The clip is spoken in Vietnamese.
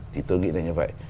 thì tôi nghĩ là như vậy